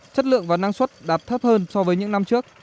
chất lượng và năng suất đạt thấp hơn so với những năm trước